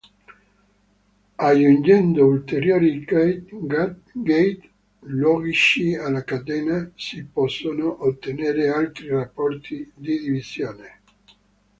Aggiungendo ulteriori gate logici alla catena, si possono ottenere altri rapporti di divisione.